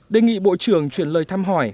đề nghị bộ trưởng chuyển lời thăm hỏi